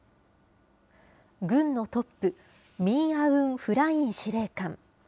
軍のトップ、ミン・アウン・フライン司令官。